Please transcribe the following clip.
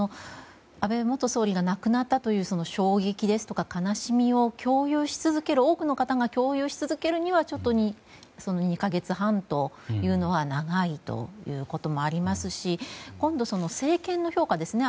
安倍元総理が亡くなったという衝撃ですとか悲しみを多くの方が共有し続けるにはちょっと２か月半というのは長いということもありますし今度、政権の評価ですね。